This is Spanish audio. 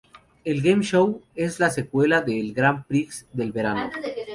El game-show es la secuela de El Grand Prix del verano.